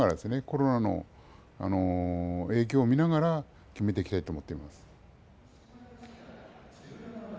コロナの影響を見ながら決めていきたいと思っています。